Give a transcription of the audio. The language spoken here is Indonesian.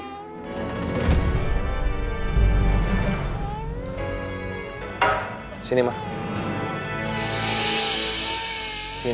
nggak ada yang boleh pergi